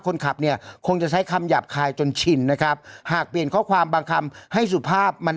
คนขับเนี่ยคงจะใช้คำหยาบคายจนชินนะครับหากเปลี่ยนข้อความบางคำให้สุภาพมัน